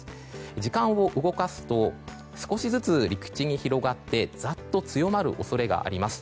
時間を動かすと少しずつ陸地に広まってざっと強まる恐れもあります。